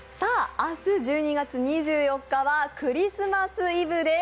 明日１２月２４日はクリスマスイブです。